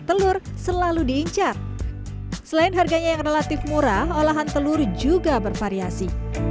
telur selalu diincar selain harganya yang relatif murah olahan telur juga bervariasi